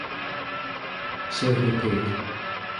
Serrit ho peg.